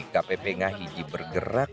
kpp ngahiji bergerak